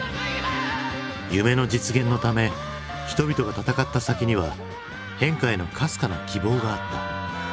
夢の実現のため人々が闘った先には変化へのかすかな希望があった。